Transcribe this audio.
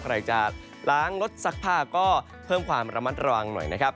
ใครจะล้างรถซักผ้าก็เพิ่มความระมัดระวังหน่อยนะครับ